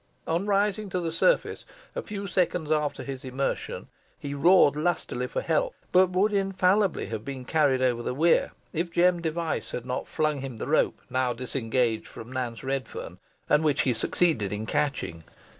On rising to the surface, a few seconds after his immersion, he roared lustily for help, but would infallibly have been carried over the weir, if Jem Device had not flung him the rope now disengaged from Nance Redferne, and which he succeeded in catching.